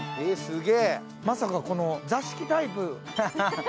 まさか座敷タイプ。